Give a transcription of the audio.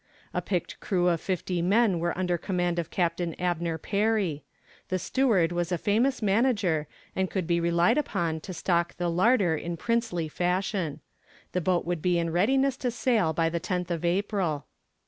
A picked crew of fifty men were under command of Captain Abner Perry. The steward was a famous manager and could be relied upon to stock the larder in princely fashion. The boat would be in readiness to sail by the tenth of April.